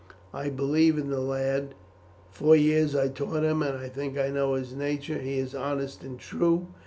I believe in the lad. Four years I taught him, and I think I know his nature. He is honest and true.